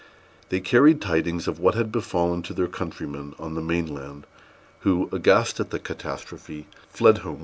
They carried tidings of what had befallen to their countrymen on the main land, who, aghast at the catastrophe, fled homeward in a panic.